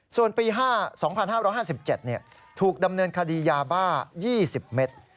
ส่วนปี๒๕๕๗ถูกดำเนินคดียาบ้า๒๐เมตร